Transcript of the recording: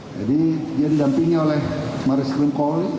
jadi dia didampingi oleh baris krim kol